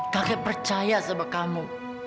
kakak percaya sama kamu